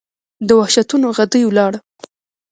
د وحشتونو ، غدۍ وَلاړه